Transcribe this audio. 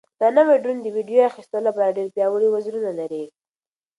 دا نوی ډرون د ویډیو اخیستلو لپاره ډېر پیاوړي وزرونه لري.